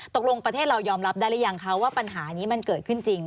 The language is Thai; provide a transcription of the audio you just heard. ประเทศเรายอมรับได้หรือยังคะว่าปัญหานี้มันเกิดขึ้นจริง